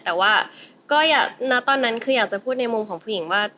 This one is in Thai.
แต่ในตอนนั้นอยากจะพูดในมุมของผู้หญิงว่า